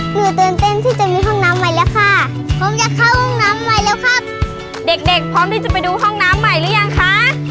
มีห้องน้ำใหม่แล้วค่ะผมจะเข้าห้องน้ำใหม่แล้วครับเด็กพร้อมที่จะไปดูห้องน้ำใหม่หรือยังค่ะ